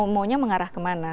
maunya mengarah ke mana